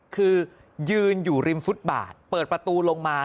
คือยืนอยู่ริมฟุตบาทเปิดประตูลงมา